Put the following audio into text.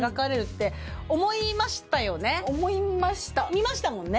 見ましたもんね。